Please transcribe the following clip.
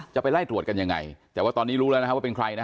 จะไปไล่ตรวจกันยังไงแต่ว่าตอนนี้รู้แล้วนะฮะว่าเป็นใครนะ